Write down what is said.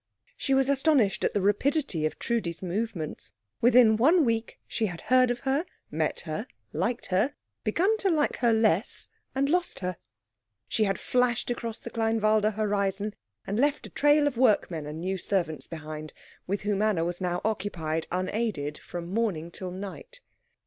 She was astonished at the rapidity of Trudi's movements. Within one week she had heard of her, met her, liked her, begun to like her less, and lost her. She had flashed across the Kleinwalde horizon, and left a trail of workmen and new servants behind, with whom Anna was now occupied, unaided, from morning till night.